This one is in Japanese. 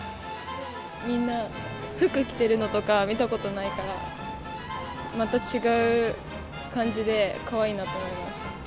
みんな服着てるのとか見たことないから、また違う感じで、かわいいなと思いました。